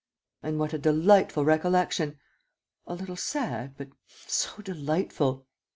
And what a delightful recollection! A little sad, but so delightful!"